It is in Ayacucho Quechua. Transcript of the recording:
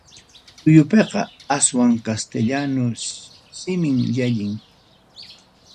Suyupiqa aswan castellano simim llallin.